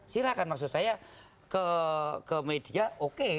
silahkan maksud saya ke media oke